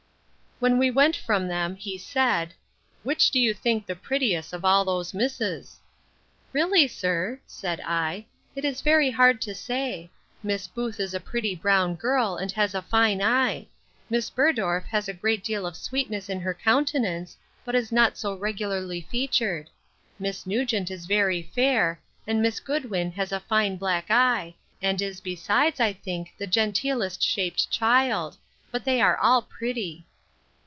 When we went from them, he said, Which do you think the prettiest of those misses? Really, sir, replied I, it is hard to say: Miss Booth is a pretty brown girl, and has a fine eye; Miss Burdoff has a great deal of sweetness in her countenance, but is not so regularly featured. Miss Nugent is very fair: and Miss Goodwin has a fine black eye, and is, besides, I think, the genteelest shaped child; but they are all pretty.